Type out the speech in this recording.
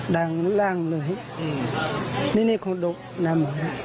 ดังล่างเลยนี่คงดูดังมาก